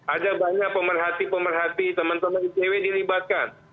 ada banyak pemerhati pemerhati teman teman icw dilibatkan